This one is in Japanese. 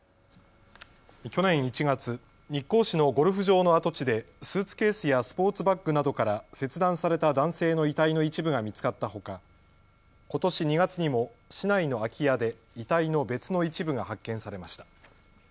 去年１月、日光市のゴルフ場の跡地でスーツケースやスポーツバッグなどから切断された男性の遺体の一部が見つかったほかことし２月にも市内の空き家で遺体の別の一部が発見されました。